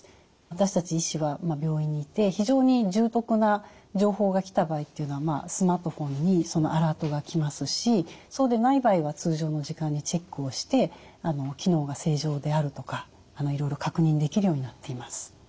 私たち医師は病院にいて非常に重篤な情報が来た場合っていうのはスマートフォンにアラートが来ますしそうでない場合は通常の時間にチェックをして機能が正常であるとかいろいろ確認できるようになっています。